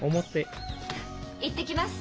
行ってきます！